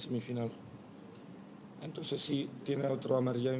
mereka menyebutkan film lain